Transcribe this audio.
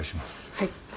はい。